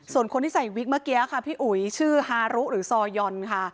ส่วนคนที่ใส่วิกเมื่อกี้ค่ะพี่อุ๋ยชื่อฮารุหรือซอยอนค่ะ